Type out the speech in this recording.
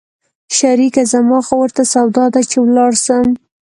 شريکه زما خو ورته سودا ده چې ولاړ سم.